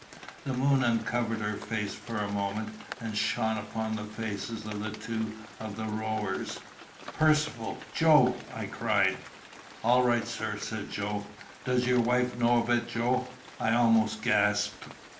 The moon uncovered her face for a moment, and shone upon the faces of two of the rowers. "Percivale! Joe!" I cried. "All right, sir!" said Joe. "Does your wife know of it, Joe?" I almost gasped.